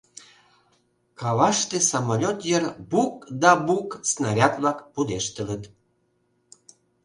Каваште самолет йыр бук да бук снаряд-влак пудештылыт.